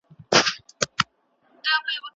محبوس ولي خپلي اړتياوي نسي پوره کولای؟